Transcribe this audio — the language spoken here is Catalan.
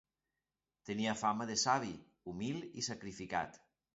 Tenia fama de savi, humil i sacrificat.